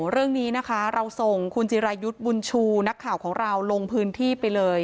เรื่องนี้นะคะเราส่งคุณจิรายุทธ์บุญชูนักข่าวของเราลงพื้นที่ไปเลย